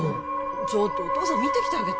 ちょっとお父さん見てきてあげて・